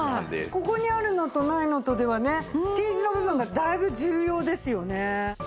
ここにあるのとないのとではねＴ字の部分がだいぶ重要ですよね。